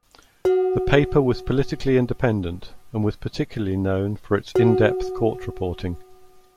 The paper was politically independent and was particularly known for its in-depth court reporting.